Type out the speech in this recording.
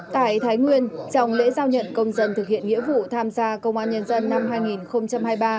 tại thái nguyên trong lễ giao nhận công dân thực hiện nghĩa vụ tham gia công an nhân dân năm hai nghìn hai mươi ba